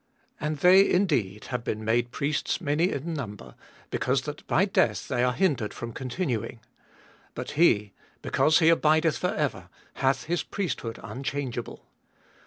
And they indeed have been made priests many in number, be cause that by death they are hindered from continuing : 24. But he, because he abideth for ever, hath his priesthood unchangeable.